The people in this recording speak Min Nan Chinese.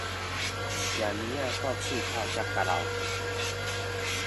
食物仔到喙口才交落去